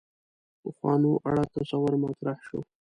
پخوانو اړه تصور مطرح شو.